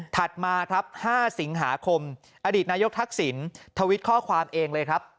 มาครับ๕สิงหาคมอดีตนายกทักษิณทวิตข้อความเองเลยครับ